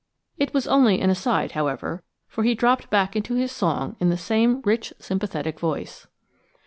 It was only an aside, however, for he dropped back into his song in the same rich sympathetic voice.